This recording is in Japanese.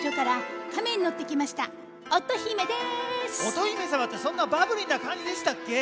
乙姫さまってそんなバブリーなかんじでしたっけ？